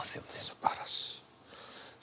すばらしい。